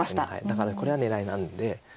だからこれは狙いなんで。